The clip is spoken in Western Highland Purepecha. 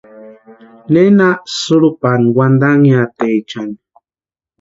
¿Néna sïrupani wantanhiataechani?